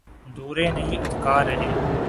روڑے نہیں اٹکا رہے۔